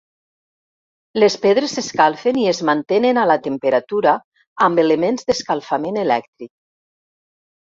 Les pedres s'escalfen i es mantenen a la temperatura amb elements d'escalfament elèctric.